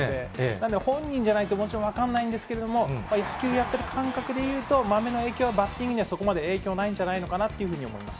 なので、本人じゃないともちろん分かんないんですけど、１球やってる感覚でいうと、まめの影響はバッティングにはそこまで影響はないんじゃないのかなというふうに思います。